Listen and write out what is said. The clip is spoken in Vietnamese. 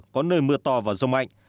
có nơi mưa to và rông mạnh